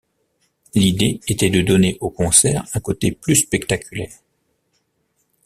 L'idée était de donner aux concerts un côté plus spectaculaire.